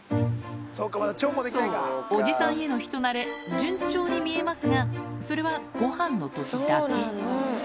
そう、おじさんへの人なれ、順調に見えますが、それはごはんのときだけ。